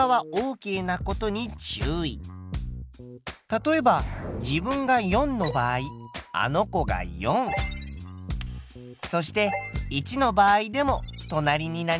例えば自分が４の場合あの子が４そして１の場合でも隣になります。